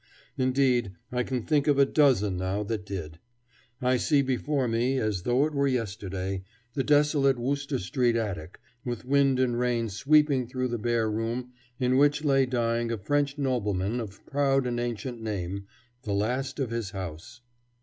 Indeed, I can think of a dozen now that did. I see before me, as though it were yesterday, the desolate Wooster Street attic, with wind and rain sweeping through the bare room in which lay dying a French nobleman of proud and ancient name, the last of his house.